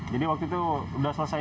waktu itu sudah selesai